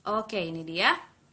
oke ini dia